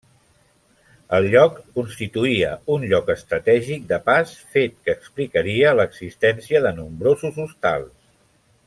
El lloc constituïa un lloc estratègic de pas fet que explicaria l'existència de nombrosos hostals.